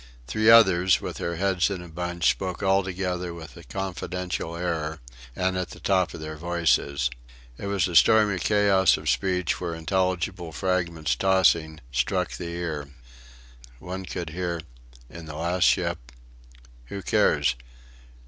Three others, with their heads in a bunch, spoke all together with a confidential air, and at the top of their voices. It was a stormy chaos of speech where intelligible fragments tossing, struck the ear. One could hear: "In the last ship" "Who cares?